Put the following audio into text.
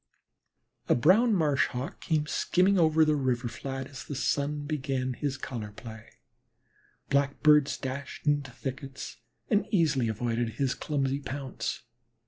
A brown Marsh Hawk came skimming over the river flat as the sun began his color play. Blackbirds dashed into thickets, and easily avoided his clumsy pounce.